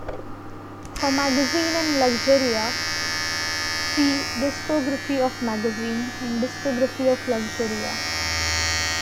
For Magazine and Luxuria, see "Discography of Magazine" and "Discography of Luxuria".